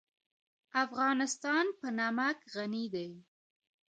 افغانستان په نمک غني دی.